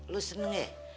lu seneng yah